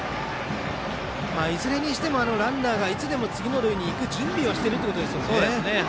いずれにしてもランナーがいつでも次の塁に行く準備をしてるということですね。